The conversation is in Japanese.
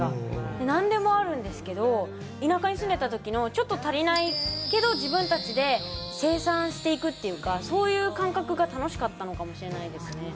何でもあるんですけど田舎に住んでたときのちょっと足りないけど自分たちで生産していくっていうかそういう感覚が楽しかったのかもしれないですね。